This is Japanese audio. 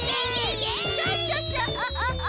クシャシャシャ！